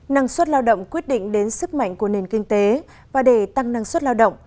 năng suất lao động quyết định đến sức mạnh của nền kinh tế và để tăng năng suất lao động